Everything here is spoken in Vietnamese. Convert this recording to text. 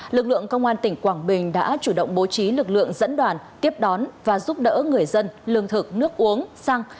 lực lượng công an tỉnh quảng bình đã chủ động bố trí lực lượng dẫn đoàn tiếp đón và giúp đỡ người dân lương thực nước uống xăng